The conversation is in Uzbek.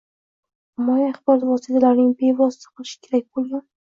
Ommaviy axborot vositalarining bevosita qilishi kerak bo‘lgan